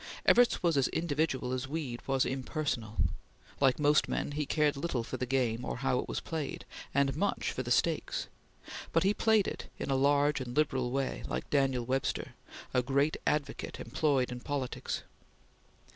Evarts was as individual as Weed was impersonal; like most men, he cared little for the game, or how it was played, and much for the stakes, but he played it in a large and liberal way, like Daniel Webster, "a great advocate employed in politics."